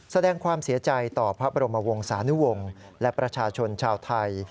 แสดงความเสียใจต่อพระบรมวงศานุวงศ์และประชาชนชาวไทย